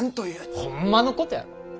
ほんまのことやろ！